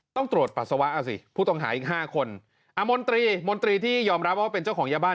ต้องตรวจปัสสาวะเอาสิผู้ต้องหาอีกห้าคนอมนตรีมนตรีที่ยอมรับว่าเป็นเจ้าของยาบ้าน